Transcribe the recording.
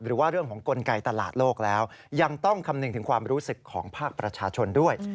หรือว่าเรื่องของกลไกตลาดโลกแล้วยังต้องคำนึงถึงความรู้สึกของภาคประชาชนด้วย